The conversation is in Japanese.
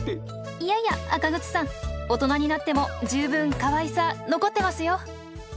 いやいやアカグツさん大人になっても十分かわいさ残ってますよ。